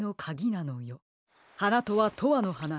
「はな」とは「とわのはな」